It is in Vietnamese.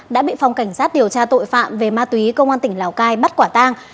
đã bị phòng cảnh sát điều tra tội phạm về ma túy công an tỉnh lào cai bắt quả tang